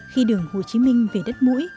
khi đường hồ chí minh về đất mũi